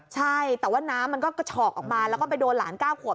ใช่แต่ว่าน้ำมันก็กระฉอกออกมาแล้วก็ไปโดนหลาน๙ขวบ